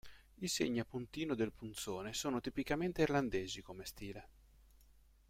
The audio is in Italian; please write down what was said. I segni a puntino del punzone sono tipicamente irlandesi come stile.